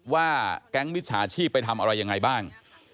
ว่าแก๊งมิจฉาชีพไปทำอะไรยังไงบ้าง